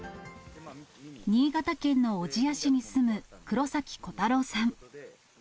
新潟県の小千谷市に住む黒崎虎太朗さん。